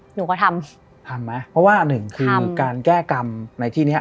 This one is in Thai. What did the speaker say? หนูก็ทำทำไหมเพราะว่าหนึ่งคือการแก้กรรมในที่เนี้ย